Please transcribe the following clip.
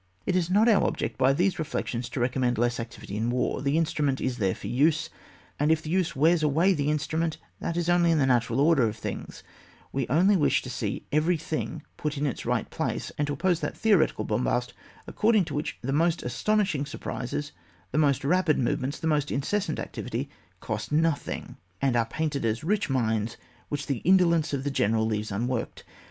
It is not our object by these reflections to recommend less activity in war ; the instrument is there for use, and if the use wears away the instrument that is only in the natural order of things ; we only wish to see every thing put in its right place, and to oppose that theore> tical bombast according to which tha most astonishing surprises the most rapid movements, the most incessant activity cost nothing, and are painted as rich mines which the indolence of the general leaves unworked.